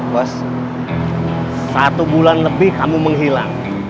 bos satu bulan lebih kamu menghilang